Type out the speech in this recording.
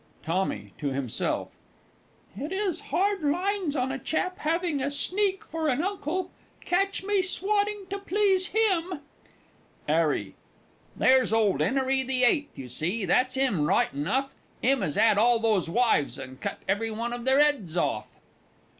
TOMMY (to himself). It is hard lines on a chap having a Sneak for an Uncle! Catch me swotting to please him! 'ARRY. There's old 'Enery the Eighth, you see that's 'im right enough; him as 'ad all those wives, and cut every one of their 'eds off!